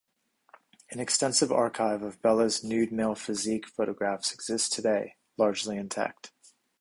An extensive archive of Bellas' nude male physique photographs exists today, largely intact.